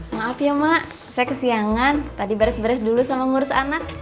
maaf ya mak saya kesiangan tadi beres beres dulu sama ngurus anak